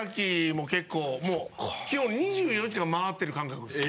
もう結構基本２４時間回ってる感覚です。